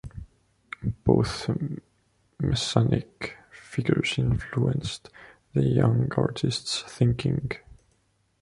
Both messianic figures influenced the young artist's thinking.